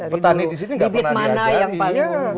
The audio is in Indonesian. petani di sini tidak pernah diajari